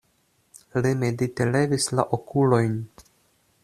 Li medite levis la okulojn.